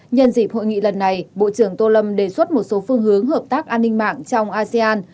nhân dịp hội nghị lần này bộ trưởng tô lâm đề xuất một số phương hướng hợp tác an ninh mạng trong asean